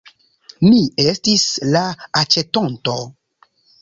Mi estis la aĉetonto.